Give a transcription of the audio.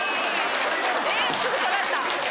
えっすぐ取られた！